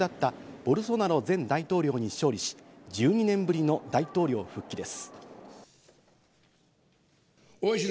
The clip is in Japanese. ボルソナロ前大統領に勝利し、１２年ぶりの大統領復帰です。